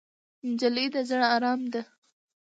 نجلۍ د زړه ارام ده.